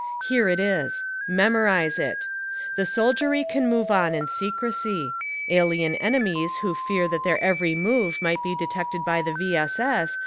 Here it is : Memorize it— The so'ldiery can move in secrecy ; alien enemies who fear that their every move might be detected by the V. S. S.